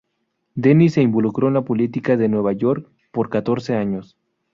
Denis se involucró en la política de Nueva York por catorce años.